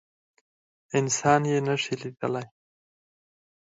انسان يي نشي لیدلی